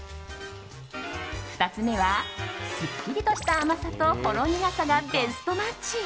２つ目はすっきりとした甘さとほろ苦さがベストマッチ。